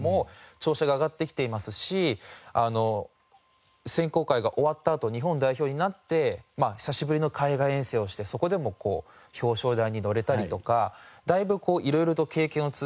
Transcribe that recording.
調子が上がってきていますし選考会が終わったあと日本代表になって久しぶりの海外遠征をしてそこでも表彰台に乗れたりとかだいぶ色々と経験を積んできて。